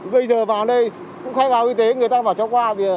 bây giờ vào đây cũng khai báo y tế người ta bảo cho qua